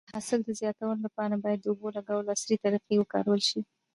د حاصل د زیاتوالي لپاره باید د اوبو لګولو عصري طریقې وکارول شي.